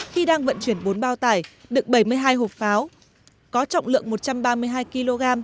khi đang vận chuyển bốn bao tải đựng bảy mươi hai hộp pháo có trọng lượng một trăm ba mươi hai kg